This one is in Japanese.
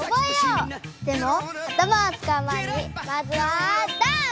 でもあたまをつかう前にまずはダンス！